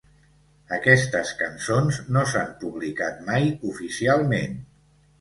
Aquestes cançons no s'han publicat mai oficialment.